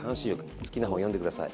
好きな本読んで下さい。